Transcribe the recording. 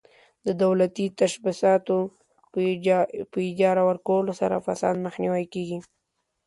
د دولتي تشبثاتو په اجاره ورکولو سره فساد مخنیوی کیږي.